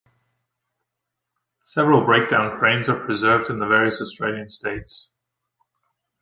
Several breakdown cranes are preserved in the various Australian states.